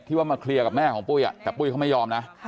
ว่ามาเคลียร์กับแม่ของปุ้ยแต่ปุ้ยเขาไม่ยอมนะ